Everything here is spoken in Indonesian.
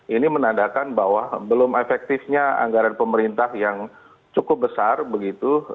ini menandakan bahwa belum efektifnya anggaran pemerintah yang cukup besar begitu